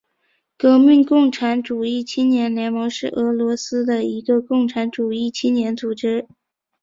革命共产主义青年联盟是俄罗斯的一个共产主义青年组织。